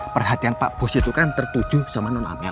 perhatian pak bos itu kan tertuju sama non amel